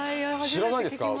知らないですか？